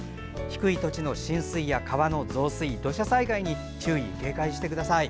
低い土地の浸水や川の増水土砂災害に注意警戒してください。